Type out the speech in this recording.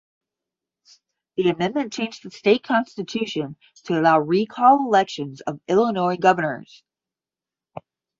The amendment changed the state constitution to allow recall elections of Illinois governors.